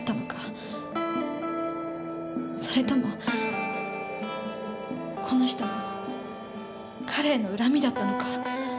それともこの人の彼への恨みだったのか。